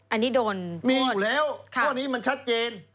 อันนี้โดนมีอยู่แล้วข้อนี้มันชัดเจน